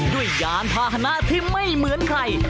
ยานพาหนะที่ไม่เหมือนใคร